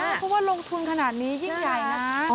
เพราะว่าลงทุนขนาดนี้ยิ่งใหญ่นะ